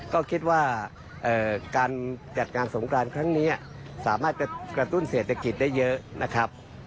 ก็คิดว่าการจัดงานสงกรานครั้งนี้สามารถกระตุ้นเศรษฐกิจได้เยอะนะครับ